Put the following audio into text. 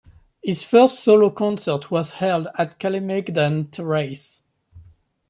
His first solo concert was held at Kalemegdan terrace.